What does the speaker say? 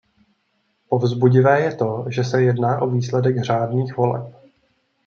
Povzbudivé je to, že se jedná o výsledek řádných voleb.